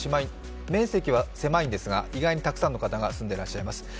面積は狭いんですが、意外にたくさんの方が住んでいます。